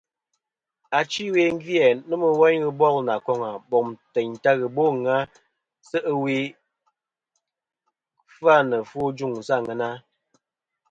Achi ɨwe gvi-æ nomɨ woyn ghɨ bol nà koŋa bom teyn ta ghɨ bo àŋena se' ɨwe kfa nɨ ɨfwo ɨ juŋ sɨ àŋena.